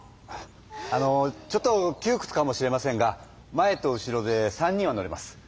あのちょっときゅうくつかもしれませんが前と後ろで３人は乗れます。